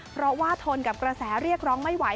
เพราะว่าทนกับกระแสเรียกร้องไม่ไหว